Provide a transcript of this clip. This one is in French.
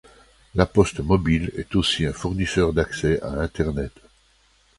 La Poste Mobile est aussi un fournisseur d'accès à Internet.